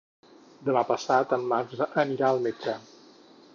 Demà passat en Max anirà al metge.